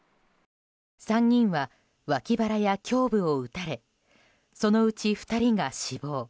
３人は脇腹や胸部を撃たれそのうち２人が死亡。